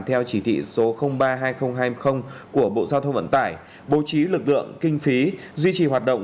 theo chỉ thị số ba hai nghìn hai mươi của bộ giao thông vận tải bố trí lực lượng kinh phí duy trì hoạt động